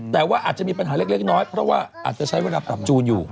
แต่ว่าอาจจะมีปัญหาเล็กน้อยเพราะว่าอาจจะใช้เวลาปรับจูนอยู่